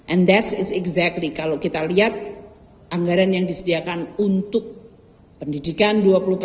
and that is exactly kalau kita lihat anggaran yang disediakan untuk pendidikan dua puluh